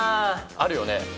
あるよね。